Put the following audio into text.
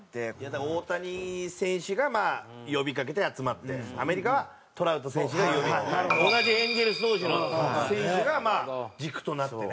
だから大谷選手がまあ呼びかけて集まってアメリカはトラウト選手が呼び同じエンゼルス同士の選手がまあ軸となってね。